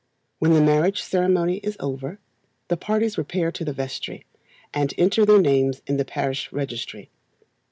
When the marriage ceremony is over, the parties repair to the vestry, and enter their names in the parish registry.